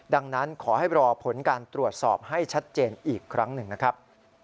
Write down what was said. ดังนั้นขอให้รอผลการตรวจสอบให้ชัดเจนอีกครั้งหนึ่งนะครับ